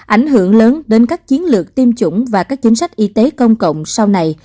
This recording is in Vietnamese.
ảnh hưởng lớn đến các chiến lược tiêm chủng và các chính sách y tế công cộng sau này